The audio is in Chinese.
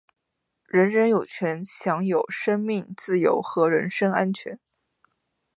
人人有权享有生命、自由和人身安全。